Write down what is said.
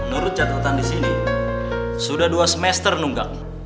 menurut catatan disini sudah dua semester nunggang